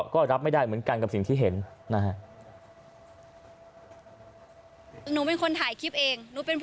ก็รับไม่ได้เหมือนกันกับสิ่งที่เห็นนะฮะ